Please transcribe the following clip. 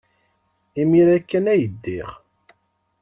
Imir-a kan ay ddiɣ.